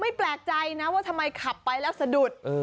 แปลกใจนะว่าทำไมขับไปแล้วสะดุด